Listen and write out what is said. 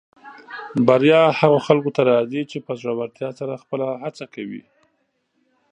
بریا هغه خلکو ته راځي چې په زړۀ ورتیا سره خپله هڅه کوي.